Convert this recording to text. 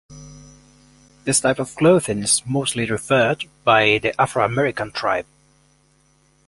This type of clothing is mostly referred by the Afro American tribe.